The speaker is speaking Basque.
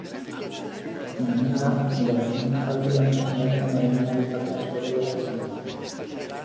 Gainera, legegintzaldi honetan bertan egin ahal izatea espero duela esan du.